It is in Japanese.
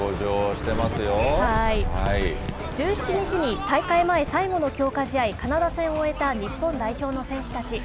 １７日に大会前最後の強化試合、カナダ戦を終えた日本代表の選手たち。